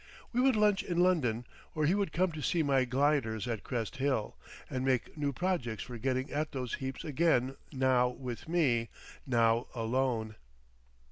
We would lunch in London, or he would cone to see my gliders at Crest Hill, and make new projects for getting at those heaps again now with me, now alone.